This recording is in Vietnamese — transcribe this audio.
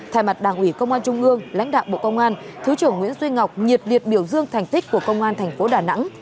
thay mặt đảng ủy công an trung ương lãnh đạo bộ công an thứ trưởng nguyễn duy ngọc nhiệt liệt biểu dương thành tích của công an thành phố đà nẵng